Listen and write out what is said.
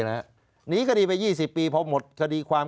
หนีคดีไป๒๐ปีพอหมดคดีความ